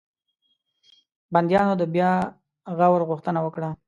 بنديانو د بیا غور غوښتنه وکړه.